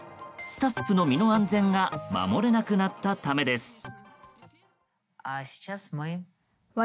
スタッフの身の安全が守れなくなったためです。